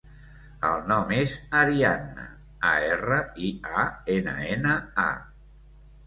El nom és Arianna: a, erra, i, a, ena, ena, a.